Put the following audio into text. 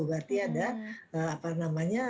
berarti ada apa namanya